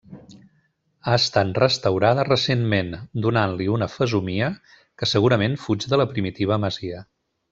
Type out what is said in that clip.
Ha estat restaurada recentment, donant-li una fesomia que segurament fuig de la primitiva masia.